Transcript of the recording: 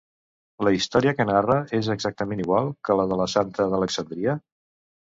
La història que narra és exactament igual que la de la santa d'Alexandria?